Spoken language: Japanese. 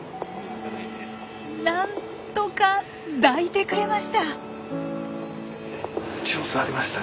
なんとか抱いてくれました。